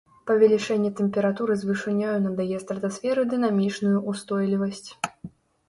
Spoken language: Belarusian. Павелічэнне тэмпературы з вышынёю надае стратасферы дынамічную ўстойлівасць.